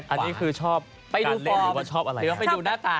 อันนี้คือชอบการเล่นหรือว่าชอบอะไรนะครับ